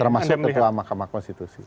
termasuk ketua mahkamah konstitusi